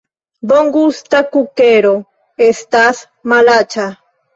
Bongusta kukero estas malaĉa